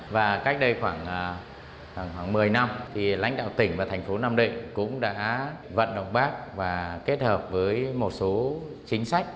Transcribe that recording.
và cách đây khoảng một mươi năm thì lãnh đạo tỉnh và thành phố nam định cũng đã vận động bác và kết hợp với một số chính sách